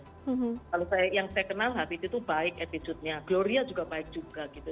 kalau yang saya kenal habibie itu baik attitude nya gloria juga baik juga gitu